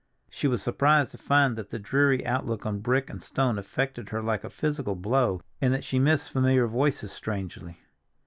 She was surprised to find that the dreary outlook on brick and stone affected her like a physical blow, and that she missed familiar voices strangely.